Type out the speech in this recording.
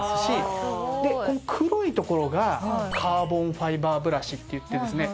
でこの黒い所がカーボンファイバーブラシっていってですね